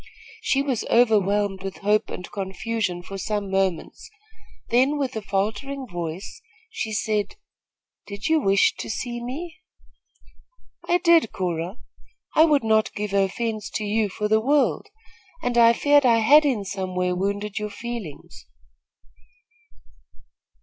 She was overwhelmed with hope and confusion for some moments; then, with a faltering voice, she asked: "Did you wish to see me?" "I did, Cora. I would not give offence to you for the world, and I feared I had in some way wounded your feelings."